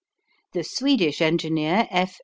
The Swedish engineer, F.